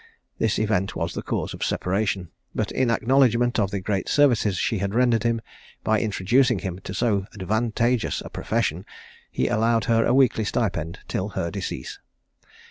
This event was the cause of separation; but in acknowledgment of the great services she had rendered him, by introducing him to so advantageous a profession, he allowed her a weekly stipend till her decease.